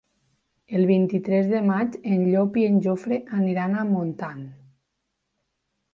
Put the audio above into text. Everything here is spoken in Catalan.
El vint-i-tres de maig en Llop i en Jofre aniran a Montant.